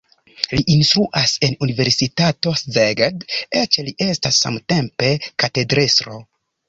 Li instruas en universitato Szeged, eĉ li estas samtempe katedrestro.